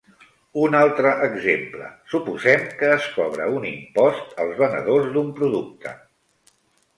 Un altre exemple: suposem que es cobra un impost als venedors d'un producte.